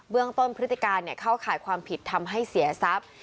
เรื่องต้นพฤติการเข้าข่ายความผิดทำให้เสียทรัพย์